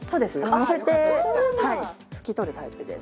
のせてふき取るタイプです